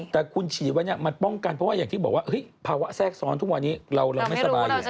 แต่คุณฉีดไว้เนี่ยมันป้องกันเพราะว่าอย่างที่บอกว่าภาวะแทรกซ้อนทุกวันนี้เราไม่สบายอยู่